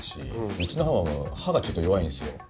うちのはむはむ歯がちょっと弱いんですよ。